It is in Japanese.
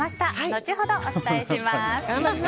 後ほど、お伝えします。